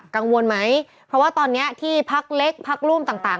กังวลไหมเพราะว่าตอนนี้ที่พักเล็กพักร่วมต่าง